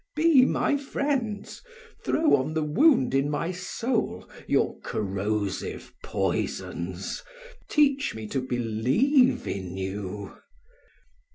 Be my friends, throw on the wound in my soul your corrosive poisons, teach me to believe in you."